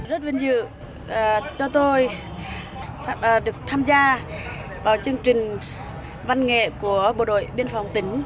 rất vinh dự cho tôi được tham gia vào chương trình văn nghệ của bộ đội biên phòng tỉnh